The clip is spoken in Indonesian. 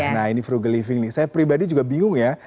nah ini frugal living nih saya pribadi juga bingung ya